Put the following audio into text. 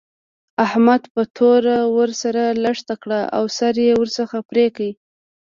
احمد په توره ور سره لښته کړه او سر يې ورڅخه پرې کړ.